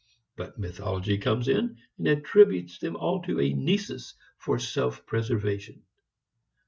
But mythology comes in and attributes them all to a nisus for self preservation.